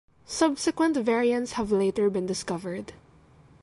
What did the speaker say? Subsequent variants have later been discovered.